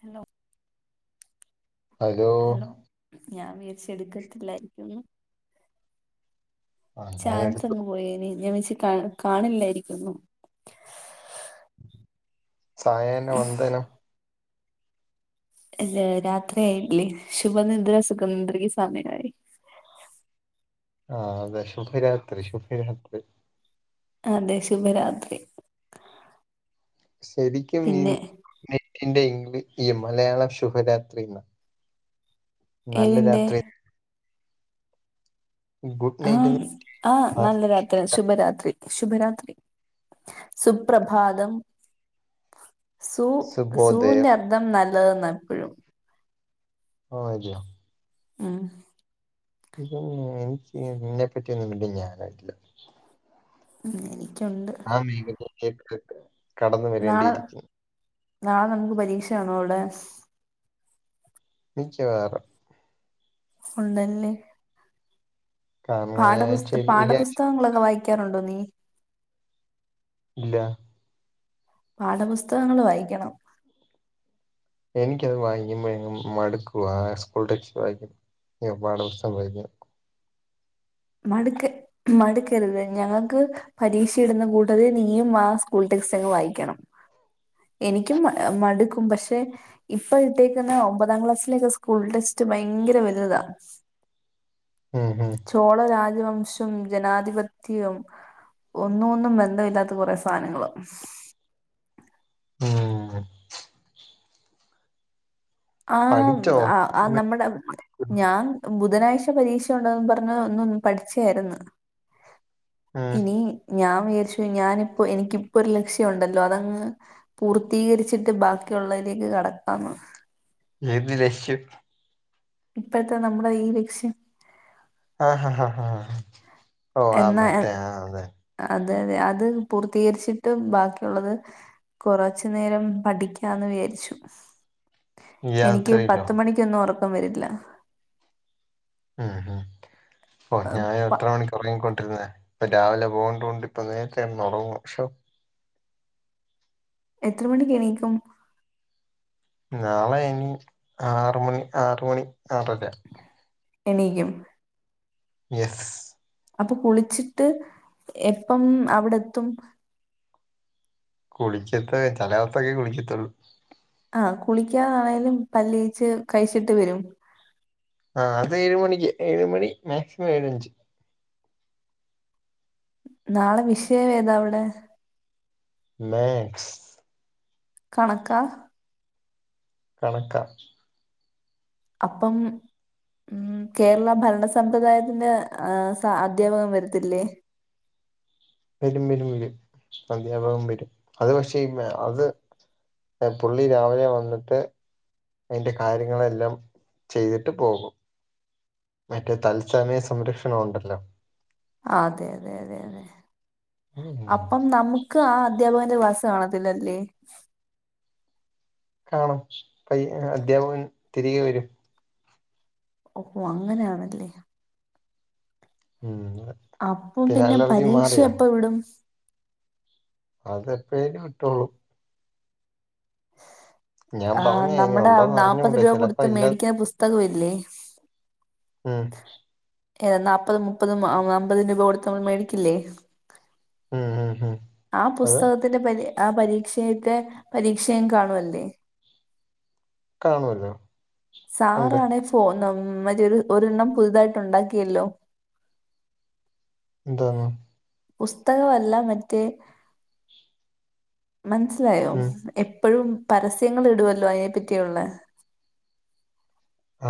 Hello hello ഞാൻ വിചാരിച്ചെടുക്കത്തില്ലായിരിക്കും ന്ന്. ആ ഞാൻ എടുത്തു ചാൻസങ്ങ് പോയ ഇനി ഞാൻവച്ച് കാ കാണില്ലായിരിക്കുംന്നു സായാഹ്ന വന്ദനം. അല്ല രാത്രിയായില്ലേ ശുഭനിദ്ര സുഖം നിന്ദ്ര സമയായി. ആഹ് അതെ ശുഭരാത്രി ശുഭരാത്രി അതെ ശുഭരാത്രി. ശരിക്കും ഈ പിന്നെ നൈറ്റ്ന്റെ ഇഗ്ലി ഈ മലയാളം ശുഭരാത്രിന്നാ? നല്ല ഏതിന്റെ രാത്രി ഗുഡ് നൈറ്റ് എന്ന് ആഹ് ആഹ് ആ, നല്ലരാത്രി ശുഭരാത്രി ശുഭരാത്രി സുപ്രഭാതം സൂ ശുഭോദയം സൂവിന്റെ അർഥം നല്ലത് ന്നാ എപ്പഴും. ഓഹ് അരിയാം ഊം ഇപ്പ എനിക്ക് നിന്നെപ്പറ്റിയൊന്നും മിണ്ടാൻ ഞാനായിട്ടില്ല ഉം എനിക്കുണ്ട് ആ മേഖലയിലേക്ക് കടന്നു നാളെ വരേണ്ടിയിരിക്കുന്നു നാളെ നമുക്ക് പരീക്ഷയാണോ അവിടെ മിക്കവാറും ഉണ്ടല്ലേ കാരണം ഈ പാഠപുസ്ത ആഴ്ചയിൽ ഈ ആഴ്ച പാഠപുസ്തകങ്ങളൊക്കെ വായിക് ക്കാറുണ്ടോ നീ ഇല്ല പാഠപുസ്തകങ്ങൾ വായിക്കണം എനിക്കത് വായിക്കുമ്പഴേക്കും മടുക്കുവാ സ്കൂൾ ടെക്സ്റ്റ്‌ വായിക്കുമ്പ പാഠപുസ്‌തകം വായിക്ക മടുക്ക മടുക്കരുത് ഞങ്ങക്ക് പരീക്ഷ ഇടുന്ന കൂട്ടതിൽ നീയും ആ സ്കൂൾ ടെക്സ്റ്റങ്ങ് വായിക്കണം. എനിക്കും മ മടുക്കും പക്ഷെ ഇപ്പ ഇട്ടേക്കുന്ന ഒമ്പതാം ക്ലാസ്സിലേക്കെ സ്കൂൾ ടെക്സ്റ്റ് ഭയങ്കര വലുതാ ഉം ഉം ചോള രാജവംശം ജനാധിപത്യം ഒന്നും ഒന്നും ബന്ധമില്ലാത്ത കുറെ സാധനങ്ങള് ഉം ആം പഠിച്ചോ ആ ആ നമ്മുടെ ഉം. ഞാൻ ബുധനാഴ്ച പരീക്ഷ ഉണ്ടന്ന് പറഞ്ഞ് ഒന്നൊന്ന് പഠിച്ചയാരുന്നു ഇനി ഞാൻ വിയാരിച്ചു ഞാനിപ്പോ എനിക്കിപ്പൊ ഒരു ലക്ഷ്യം ഉണ്ടല്ലോ അതങ്ങ് പൂർത്തീകരിച്ചിട്ട് ബാക്കിയുള്ളതിലേക്ക് കടക്കാന്ന് ഏത് ലക്ഷ്യം ഇപ്പോഴത്തെ നമ്മുടെ ഈ ലക്ഷ്യം ആഹ് ഹ ഹ ഹാ ഓ ആ എന്നാ മറ്റേ ആ അതെ അതെയതെ അത് പൂർത്തീകരിച്ചിട്ടും ബാക്കിയുള്ളത് കൊറച്ചു നേരം പഠിക്കാന്ന് വിചാരിച്ചു ഈ എനിക്ക് യാത്രയിലോ പത്ത് മണിക്കൊന്നും ഒറക്കം വരില്ല ഉം ഉം ഓ അഹ് ഞാൻ പ- എത്ര മണിക്ക് ഉറങ്ങിക്കൊണ്ടിരുന്നേ ഇപ്പൊ രാവിലെ പോകണ്ടോണ്ട് ഇപ്പ നേരത്തെ കെടന്ന് ഒറങ്ങുവാ ഷോ എത്ര മണിക്കെണീക്കും നാളെ ഇനി ആറ് മണി ആറ് മണി ആറര എണീക്കും യെസ് അപ്പൊ കുളിച്ചിട്ട് എപ്പം അവിടെത്തും കുളിക്കത്ത് ചെല ദെവസൊക്കെ കുളിക്കത്തുള്ളൂ ആഹ് കുളിക്കാതാണെലും പല്ല് തേച്ച് കഴിച്ചിട്ട് വരും ആഹ് അതേഴ് മണിക്ക് ഏഴ് മണി മാക്സിമം ഏഴഞ്ച് നാളെ വിഷയം ഏതാവിടെ മാത്സ് കണക്കാ കണക്കാ അപ്പം ഉം കേരള ഭരണ സമ്പ്രദായത്തിന്റെ ആ സ അദ്ധ്യാപകൻ വര്ത്തില്ലേ വരും വരും വരും അധ്യാപകൻ വരും അത് പക്ഷേ അത് പുള്ളി രാവിലെ വന്നിട്ട് അതിന്റെ കാര്യങ്ങളെല്ലാം ചെയ്തിട്ട് പോകും മറ്റേ തത്സമയ സംരക്ഷണം ഒണ്ടല്ലോ ആഹ് അതെയതെയതെതെ ഉം അപ്പം നമു ക്കാ ആ അധ്യാപകന്റെ ക്ലാസ്സ് കാണത്തില്ലല്ലേ കാണും പയ അദ്ധ്യാപകൻ തിരികെ വരും ഓഹോ അങ്ങനെയാണല്ലേ ഉം [unintelligible] അപ്പൊ പിന്നെ അലർജി പരീക്ഷ മാറിയോ എപ്പ വിടും അതെപ്പഴേലും വിട്ടോളും ഞാൻ ആ പറഞ്ഞേ ഇനി നമ്മുടെ ഉണ്ടോന്ന് നാപ്പത് അറിഞ്ഞൂട രൂപ കൊടുത്ത് ചെലപ്പ ഇല്ല മേടിക്കുന്ന പുസ്തകം ഇല്ലേ ഉം ഏ നാപ്പതും മുപ്പതും അമ്പതും രൂപ കൊടുത്ത് നമ്മൾ മേടിക്കില്ലേ ഉം ഉം ഉം ആ അത് പുസ്തക പ്പൻ്റെ പരീ ആ പരീക്ഷയൊക്കെ പരീക്ഷയും കാണും അല്ലേ കാണുവല്ലോ സാറാണെ ഫോ ന്നം മറ്റേത് ഒരെണ്ണം പുതുതായിട്ട് ഉണ്ടാക്കിയല്ലോ എന്തോന്ന് പുസ്തകവല്ല മറ്റേ മനസിലായോ ഉം എപ്പഴും പരസ്യങ്ങൾ ഇടുവല്ലോ അയിനെ പറ്റിയുള്ള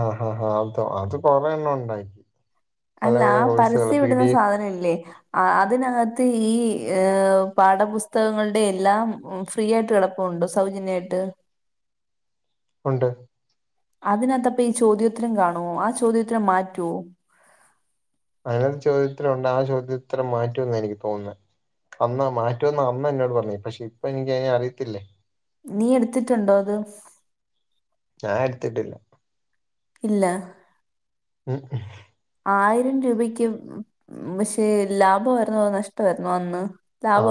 ആഹ് ആഹ് ആഹ് അതൊ അത് കൊറെണ്ണം ഉണ്ടാക്കി പല അല്ല പല ആ കോഴ്സുകൾ പരസ്യം പി ഇടുന്ന ഡി എഫ് സാധനം ഇല്ലേ ആഹ് അതിനകത്ത് ഈ ഏ പാഠപുസ്തകങ്ങളുടെ എല്ലാം ഫ്രീ ആയിട്ട് കെടപ്പുണ്ട് സൗജന്യായിട്ട് ഒണ്ട് അതിനകത്തപ്പ ഈ ചോദിയോത്തരം കാണുവോ ആ ചോദ്യോത്തരം മാറ്റുവോ അതിനത്തു ചോദ്യോത്തരം ഒണ്ട് ആ ചോദ്യോത്തരം മാറ്റു എന്നാ എനിക്ക് തോന്നുന്നെ അന്ന് മാറ്റുവെന്ന അന്ന് എന്നോട് പറഞ്ഞേ പക്ഷെ ഇപ്പൊ എനിക്കതിനെ അറിയത്തില്ലേ നീ എട്ത്തിട്ടുണ്ടോ അത് ഞാൻ എട്ത്തിട്ടില്ല ഇല്ല ഉം ആയിരം രൂപക്ക് പക്ഷെ ലാഭവായിരുന്നോ അതോ നഷ്ടവായിരുന്നോ അന്ന്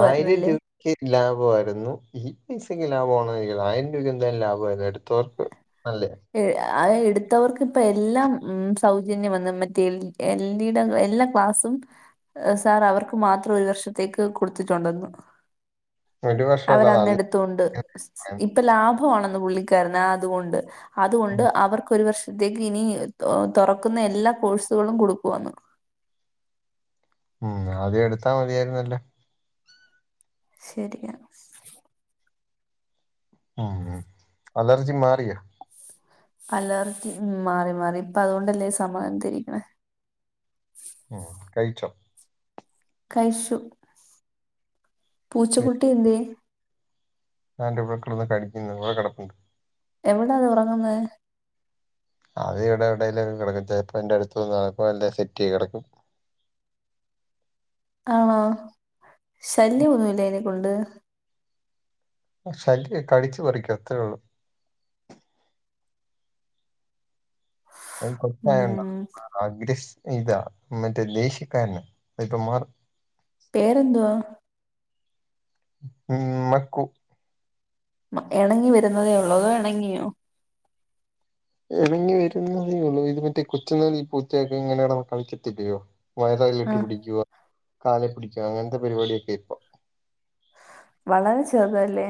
ആയിരം രൂ ക്ക് ലാഭവാരുന്നു ഈ പൈസക്ക് ലാഭവാണോന്ന് എനി [unintelligible] ആയിരം രൂപക്ക് എന്തായാലും ലാഭ വാരുന്നു എടുത്തോർക്ക് നല്ലെയാ ഏ ആഎടുത്തവർക്ക് ഇപ്പ എല്ലാം ഉം സൗജന്യം വന്ന് മറ്റേൽ എൽ ടി എല്ലാം ക്ലാസും സാർ അവർക്ക് മാത്രം ഒരു വർഷത്തേക്ക് കൊടുത്തിട്ടുണ്ടെന്ന് ഒരു വർഷമല്ല അവരന്ന് നല്ല എടുത്തോണ്ട് സ് സ് ഇപ്പൊ ലാഭവാണെന്ന് പുള്ളിക്കാരന് ആ അതുകൊണ്ട് അതുകൊണ്ട് ഉം. അവർക്ക് ഒരു വർഷത്തേക്ക് ഇനി തൊ തൊറക്കുന്ന എല്ലാ കോഴ്സുകളും കൊടുക്കുവെന്ന് ഉം ആദ്യം എടുത്താ മതിയാരുന്നല്ലോ ശരിയാ ഉം അലർജി മാറിയോ അലർജി ഉം മാറി മാറി ഇപ്പ അതുകൊണ്ടല്ലേ സമാധാനത്തി ഇരിക്കണേ ഉം കഴിച്ചോ കഴിച്ചു പൂച്ചക്കുട്ടി എന്ത്യേ താണ്ട് ഇവടെ കെടന്ന് കടിക്കുന്ന് ഇവടെ കെടപ്പുണ്ട് എവടാത് ഒറങ്ങുന്ന് അത് ഇവിടെ എവിടേലൊക്കെ കെടക്കും ചെലപ്പ എന്റെ അടുത്ത് വന്ന് കടക്കും അല്ലേ സെറ്റീ കെടക്കും. ആണോ ശല്യ ഒന്നുവില്ലേ അയ്‌നെക്കൊണ്ട് ആ ശല്യ കടിച്ച് പറിക്കും അത്രേ ഒള്ളൂ അതിന് കൊച്ച് ഉം ആയോണ്ടാ അഗ്രസ് ഇതാ മറ്റേ ദേഷ്യക്കാരനാ അതിപ്പ മാറും പേരെന്തുവാ ഉം മക്കു മ എണങ്ങി വരുന്നതേ ഉള്ളോ അതോ എണങ്ങിയോ എണങ്ങി വരുന്നതേ ഉള്ളൂ ഇത് മറ്റേ കൊച്ചുനാളിൽ ഈ പൂച്ചയൊക്കെ ഇങ്ങനെ [unintelligible] കളിക്കത്തില്ലയോ ആ വയറാലിട്ടി പിടിക്കുവ കാലേ പിടിക്ക അങ്ങനത്തെ പരിപാടിയൊക്കെ ഇപ്പൊ വളരെ ചെറ്തല്ലേ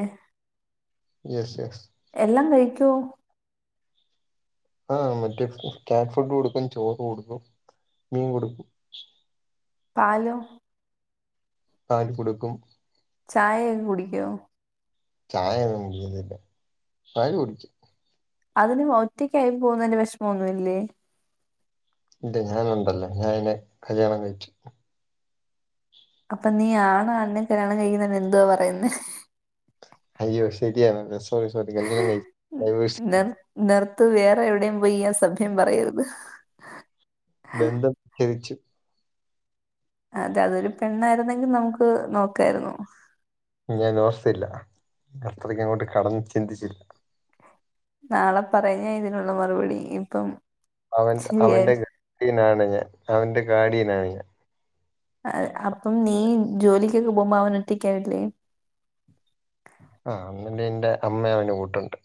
എസ് എസ് എല്ലാം കഴിക്കൊ? ആഹ് മറ്റേ ക്യാറ്റ് ഫുഡ് കൊടുക്കും, ചോറ് കൊടുക്കും, മീൻ കൊടുക്കും, പാലോ? പാല് കൊടുക്കും ചായ ക്കെ കുടിക്കോ? ചായയൊന്നും കുടിക്കത്തില്ല പാല് കുടിക്കും അതിന് ഒറ്റയ്ക്ക് ആയി പോകുന്നതിന്റെ വെഷമൊന്നുല്ലേ? ഇല്ല ഞാനുണ്ടല്ലോ ഞാന് അയ്നെ കല്യാണം കഴിച്ചു അപ്പ നീ ആണണിനെ കല്യാണം കഴിക്കുന്നതിനെ എന്തുവാ പറയുന്നേ അയ്യോ ശെരി ആണല്ലോ സോറി സോറി കല്യാണം കയിഞ്ഞ് ഡൈവോയ്സ്സ്‌ നിർ നിർത്ത് വേറെ എവിടെയും പോയി ഈ അസഭ്യം പറയരുത് ബന്ധം [unintelligible] അതെ അതൊരു പെണ്ണായിരുന്നെങ്കി നമുക്ക് നോക്കായിരുന്നു യ്യ ഞാൻ ഓർത്തില്ല അത്രക്ക് അങ്ങോട്ട് കടന്ന് ചിന്തിച്ചില്ല നാളെ പറയാം ഇതിനുള്ള മറുപടി ഇപ്പം അവൻ ശരിയായി അവന്റെ ഗഡിനാണ് ഞാൻ അവന്റെ ഗാഡിയനാണ് ഞാ അപ്പം നീ ജോലിക്കൊക്കെ പോകുമ്പോ അവൻ ഒറ്റക്കാവില്ലേ ആഹ് [unintelligible] അമ്മ അവന് കൂട്ടുണ്ട്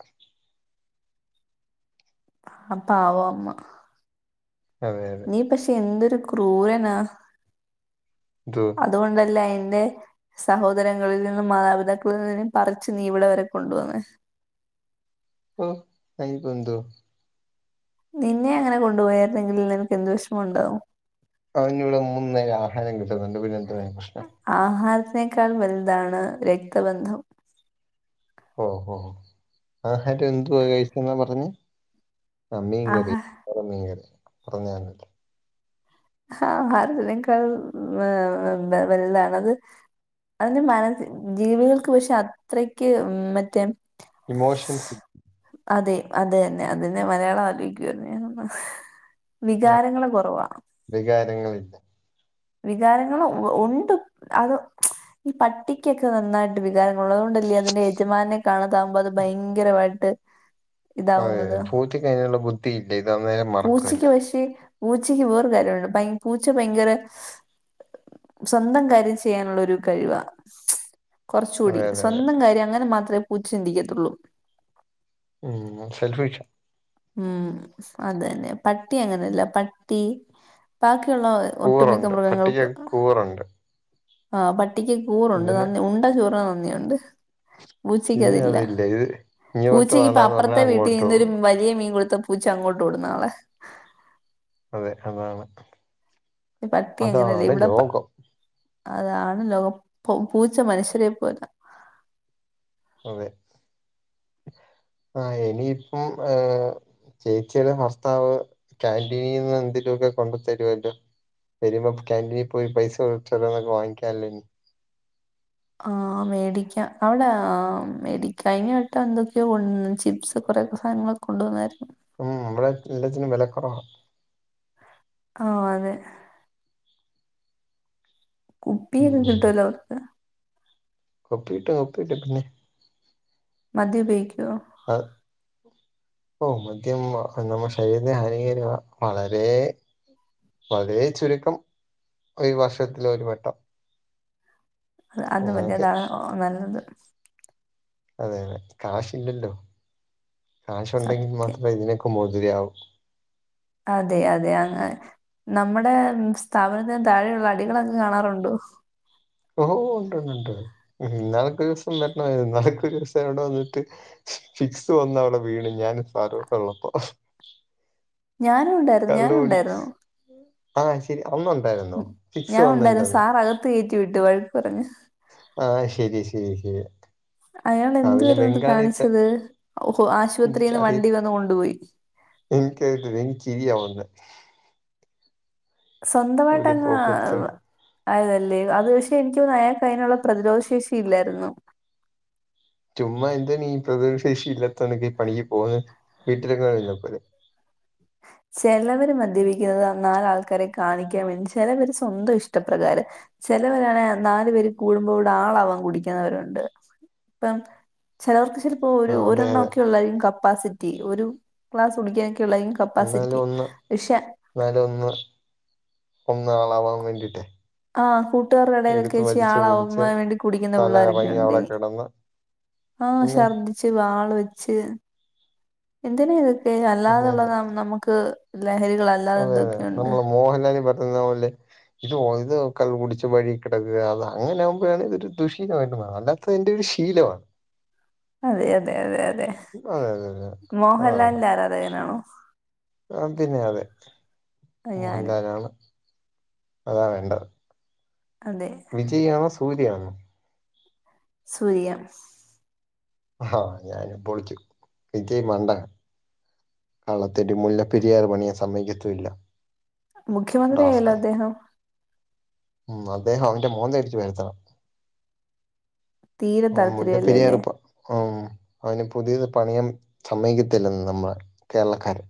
ആപാവം അമ്മ അതെ അതെ നീ പക്ഷെ എന്തൊരു ക്രൂരനാ [unintelligible] അതുകൊണ്ടല്ലേ അയ്ന്റെ സഹോദരങ്ങളിൽ നിന്നും, മാതാപിതാക്കളിൽ നിന്നും, പറിച്ച് നീ ഇവടെ വരെ കൊണ്ട് വന്നേ ഓ അയ്ന് ഇപ്പൊ എന്തോ? നിന്നെ അങ്ങനെ കൊണ്ടു പോയായിരുന്നെങ്കിൽ നിനക്ക് എന്തു വെഷമം ഉണ്ടാവും അവൻ ഇവിടെ മൂന്ന് നേരം ആഹാരം കിട്ടുന്നുണ്ട് പിന്നെ എന്താ പ്രശ് ആഹാരത്തിനേക്കാൾ വലുതാണ് രക്തബന്ധം ഓ ഓ ആഹാരം എന്തുവാ കഴിച്ചെന്നാ പറഞ്ഞെ ആഹ് മീൻ കറി ആഹാ ചോറും, മീൻ കറീം പർഞ്ഞെ ആണല്ലോ ആഹ് അതിനേക്കാൾ വെൽതാണോ അത് അതിന് മനസ് ജീവികൾക്ക് പക്ഷെ അത്രയ്ക്ക് മറ്റേ ഇമോഷൻസ് അതെ അതെന്നെ അതിന്റെ മലയാളം ആലോയ്ക്കുന്ന് വികാരങ്ങള് കോറവാ വികാരങ്ങളില്ല വികാരങ്ങള് ഉണ്ട് അത് ഈ പട്ടിക്കൊക്കെ വന്നാൽ വികാരങ്ങള്ളുള്ള തോണ്ടല്ലേ അതിന്റെ യജമാൻന്നെ കാണതാവുമ്പോ അത് ഭയങ്കരവായിട്ട് അതെ അതെ പൂച്ചക്ക് അയ്നുള്ള ബുദ്ധി ഇല്ല ഇത് അന്നേരം മറക്കും എല്ലാം [unintelligible] പൂച്ചക്ക് വേറെര് കാര്യോണ്ട് ഭയ പൂച്ച ഭയങ്കര സ്വന്തം കാര്യം ചെയ്യാനുള്ളോരു കഴിവാ കൊർചൂടി അതെ അതെ അതെ സ്വന്തം കാര്യം അങ്ങനെ മാത്രെ പൂച്ച ചിന്തിക്കത്തോള്ളൂ ഉം ഷെൽഫഴിച്ചോ? ഉം അതന്നെ പട്ടി അങ്ങനെല്ല പട്ടി ബാക്കിയുള്ള ഒട്ടു മിക്ക കൂറുണ്ട് പട്ടിക്ക് മൃഗങ്ങൾക്ക് കൂറുണ്ട് ആഹ് പട്ടിക്ക് കൂറുണ്ട് ഇതിന് നന്ദി ഉണ്ട കൂറ നന്ദിയുണ്ട്. ഇത് പൂച്ചക്കതില്ല. അതില്ല ഇത് ഇങ്ങോട്ട് വേണ്ടാന്ന് പറഞ്ഞാ പൂച്ചക്കിപ്പപ്പർത്തെ അങ്ങോട്ട് വീട്ടിനിന്നൊരു പോകും വലിയ മീൻ കൊടുത്തപ്പോ. പൂച്ച അങ്ങോട്ടോടും നാളെ. അതെ അതാണ് പട്ടി അങ്ങനെയല്ല അതാണ് ഇവിടെ ലോകം. അതാണ് ലോ പു പൂച്ച മനുഷ്യരെ പോല. അതെ ആ എനിയിപ്പം ഏഹ്. ചേച്ചിയുടെ ഭർത്താവ് കാന്റീനീന്ന് എന്തേലു ഒക്കെ കൊണ്ടു തരുവല്ലോ. വെരുമ്പോ കാന്റീനി പോയി പൈസ കൊ ചെലവാ വാങ്ങിക്കാല്ലോ നി. ആ മേടിക്കാ. അവ്ടെ മേടി കയി ഞ്ഞവട്ടം എന്തൊക്കെയോ ഉണ് ചിപ്സ് കൊറെക്കെ സാധനങ്ങളൊ. കൊണ്ടു വന്നായിരുന്നു ഉം അമ്മടെ എല്ലത്തിനും വെലക്കൊറവ ആഹ് അതെ. ഉപ്പിയ ഉം ത ല്ലോ ലൊർക്ക്. കൊപ്പിട്ടൊപ്പിട്ടപിന്നേ മദ്യ ഉപയോഗിക്കുവോ? ! ! ! ! ! ! ! ! ! അ ഹ്. ഓ മദ്യംമ്മാ അത് നമ്മുടെ ശരീരത്തിനഹാനികരമാ. വളരെ. വളരെ ചുരുക്കം. ഒരു വർഷത്തിലൊരു വട്ടം. ! ! ! ! ! ! ! ! ! ! ഹ് അത് മതി അതാണ് ഒ ഒ നല്ലത്. അതെ അതെ കാശില്ലല്ലോ. സത്യം കാശുണ്ടെങ്കിമാത്രേ ഇതിനൊക്കെ മോചിതയാവു. അതെ അതെ അങ്ങ. നമ്മടെ സ്ഥാപനത്തിന് താഴെയുള്ള അടികളൊക്കെ കാണാറുണ്ടോ? ഓ ഉണ്ടണ്ട്ണ്ട് നാലക്ക് ദിവസം വരണമായിരുന്നു നാലക്ക ഒരു ദിവസം ഇവിടെ വന്നിട്ട്. ഫിറ്റ്സ് വന്നവടെ വീണ് ഞാൻ ഫാരോ ടെള്ളപ്പോ. [inaudible] ! ! ! ! ! ! ! ! ! ഉണ്ടായിരുന്നു കള്ള് ഞാനും കുടിച് ഉണ്ടായിരുന്നു ആഹ് ശരി. അന്നുണ്ടായിരുന്നോ? ഫിറ്റ്സ് വന്നേന്റന്ന്. ത്തേറ്റി വിട്ട് വഴക്ക് പറഞ ആഹ് ശരിയ ശരിയ ശരിയ അയാളെന്തുവയിരുന്നത് കാണിച്ചത്. ഒ ഹോ ആശുപത്രീന്ന് വണ്ടി വന്ന് കൊണ്ടുപോയി. എൻ ക്ക്ട്ട എനിക്കയിയാ വന്നെ. ഒരു സ്വന്തമായിട്ടങ്ങ് പോക്കത്ത് അഹ്. ആയതല്ലേ. അത് പക്ഷേ എനിക്ക് തോന്നുന്നു, അയാക്കതിനുള്ള പ്രതിരോധ ശേഷി ഇല്ലായിരുന്നു. ചുമ്മാ എന്താണീ പ്രധിരോധ ശേഷി ഇല്ലാത്തോനൊക്കെ ഈ പണിക്ക് പോകന്നത്. വീട്ടിലെങ്ങാനോം ഇരുന്നാ പോരെ ചെലവരു മദ്യപിക്കുന്നത് നാലാ ൾക്കാരെ കാണിക്കാൻ വേണ്ടി, ചെലവര് സ്വന്തം ഇഷ്ടപ്രകാരം. ചെലവരാണെ നാല് പേര് കൂടുമ്പവിടാളാവാൻ കുടിക്കന്നവരുണ്ട്. പ്പം ചെലവർക്ക് ചെലപ്പോ ഒരു ആഹ് അതെ ഒരെണ്ണ അതെ ക്കെ ഒള്ളാർക്കും കപ്പാസിറ്റി, ഒരു ക്ലാസ് കുടിക്കാനൊക്കെഒള്ളായിരിക്കും കപ് ഇന്നാലും ഒന്ന് ന്നാലും ഒന്ന്, ഒന്നാ ളാവാൻ വേണ്ടിട്ടേ. ആഹ്, കൂട്ടാരുടെ എടേലൊക്കെ ച്ചി ആളാവാൻ വേണ്ടി കുടിക്കുന്ന തല പിള്ളാരൊക്കെ കറങ്ങി അവിടെ ഉണ്ടിനി കിടന്ന് ആഹ് പിന്നെ ശർദ്ദി ച്ച് വാള് വെച്ച് എന്തിന ഇതൊക്കെ അതെ അല്ലാതുള്ള അതെ നം നമുക്ക് ലഹരികളൽ അതെ അതെ, നമ്മളെ മോഹൻലാല് പറഞ്ഞത്പോലെ ഇത് ഇത് ക കുടിച്ച വഴി കിടക്കുക അത് അങ്ങനെ ആകുമ്പോഴാണ് ഇതൊരു ദുഷീലമായിട്ട് വരുന്നത്. പ്പ അയിന്റെ ഒരു ശീലവാ. അതെ അതെ അതെ അതെ അതെ അതെ അതെ അതാണ് മോഹൻലാലിന്റെ ആരാധകനാണോ? ആ പിന്നെ.. അതെ ആ, ഞാനും മോഹൻലാലാണ്, അതാ വേണ്ടത്. അതെ വിജയ് ആണോ സൂര്യ ആണോ? സൂര്യ ആഹ ഞാനിപൊളിച്ചും വിജയ് മണ്ട കളളത്തെട്ടി മുല്ലപ്പെരിയാറ് പണിയാൻ സമ്മതിക്കത്തുല്ല. മുഖ്യമന്ത്രി അയല്ലോ അദ്ദേഹം. ഉം അദ്ദേഹം അവന്റെ മോന്ത ഇടിച്ചു പരത്തണം. തീരെ ഓ താല്പര്യല്ലല്ലേ മുല്ലപെരിയാർപ്പൊ ഉ അവന് പുതിയത് പണിയൻ സമ്മക്കത്തില്ലെന്ന് നമ്മുടെ കേരളക്കാര്.